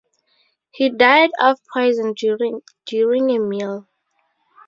He died of poison during a meal.